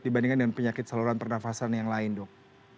dibandingkan dengan penyakit saluran pernafasan yang lain dok